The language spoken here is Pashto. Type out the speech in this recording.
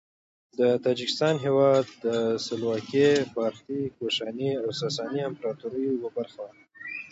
د تاجکستان هیواد د سلوکي، پارتي، کوشاني او ساساني امپراطوریو یوه برخه وه.